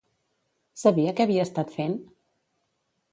Sabia què havia estat fent?